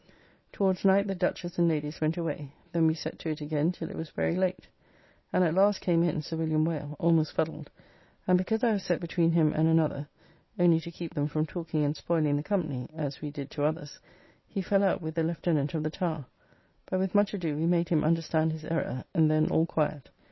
Towards night the Duchess and ladies went away. Then we set to it again till it was very late. And at last came in Sir William Wale, almost fuddled; and because I was set between him and another, only to keep them from talking and spoiling the company (as we did to others), he fell out with the Lieutenant of the Tower; but with much ado we made him under stand his error, and then all quiet.